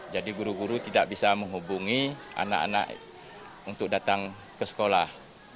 jadi guru guru tidak bisa menghubungi anak anak untuk datang ke sekolah